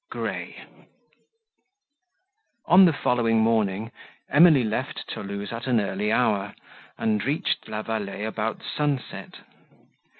GRAY On the following morning, Emily left Thoulouse at an early hour, and reached La Vallée about sunset.